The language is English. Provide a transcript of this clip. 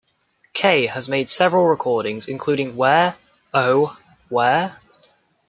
Kaye has made several recordings, including Where, Oh, Where?